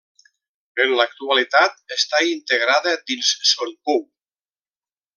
En l'actualitat està integrada dins Son Pou.